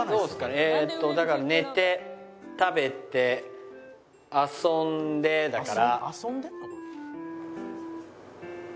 えーっとだから寝て食べて遊んでだから。